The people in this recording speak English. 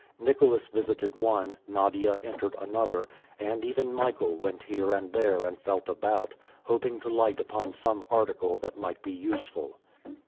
Nicholas visited one, Nadia entered another, and even Michael went here and there and felt about, hoping to light upon some article that might be useful.